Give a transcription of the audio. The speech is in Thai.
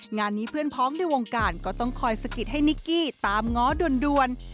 งานนี้เพื่อนพ้องในวงการก็ต้องคอยสะกิดให้นิกกี้ตามง้อด่วน